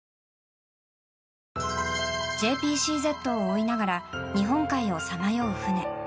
ＪＰＣＺを追いながら日本海をさまよう船。